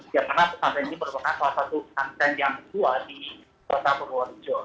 karena santren ini merupakan salah satu santren yang tua di kota purworejo